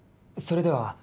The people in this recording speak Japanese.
それでは。